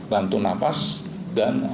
bantu nafas dan